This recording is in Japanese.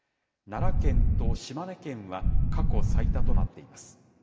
奈良県と島根県は過去最多となっています。